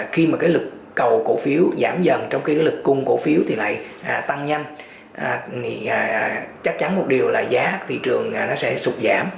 khi lực cầu cổ phiếu giảm dần trong khi lực cung cổ phiếu tăng nhanh chắc chắn một điều là giá thị trường sẽ sụp giảm